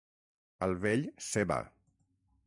Al vell, ceba.